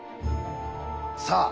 さあ